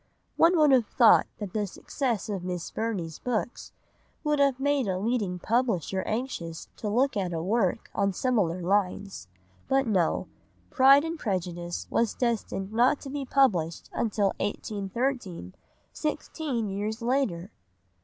One would have thought that the success of Miss Burney's books would have made a leading publisher anxious to look at a work on similar lines, but no—Pride and Prejudice was destined not to be published until 1813, sixteen years later!